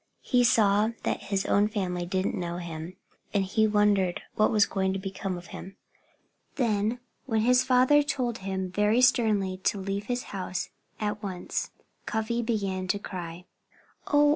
He saw that his own family didn't know him. And he wondered what was going to become of him. Then, when his father told him very sternly to leave his house at once, Cuffy began to cry. "Oh!